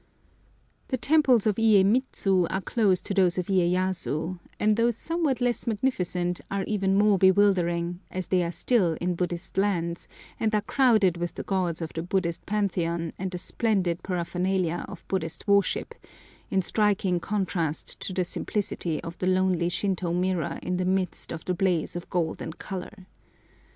The temples of Iyémitsu are close to those of Iyéyasu, and though somewhat less magnificent are even more bewildering, as they are still in Buddhist hands, and are crowded with the gods of the Buddhist Pantheon and the splendid paraphernalia of Buddhist worship, in striking contrast to the simplicity of the lonely Shintô mirror in the midst of the blaze of gold and colour.